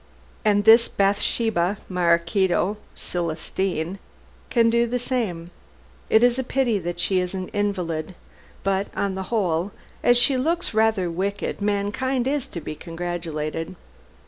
And this Bathsheba Maraquito Celestine, can do the same. It is a pity she is an invalid, but on the whole, as she looks rather wicked, mankind is to be congratulated.